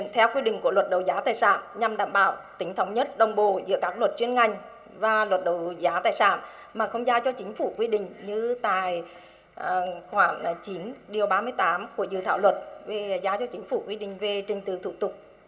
theo quy định của luật đấu giá tài sản nhằm đảm bảo tính thống nhất đồng bộ giữa các luật chuyên ngành và luật đấu giá tài sản mà không giao cho chính phủ quy định như tại khoảng chín điều ba mươi tám của dự thảo luật giao cho chính phủ quy định về trình tự thủ tục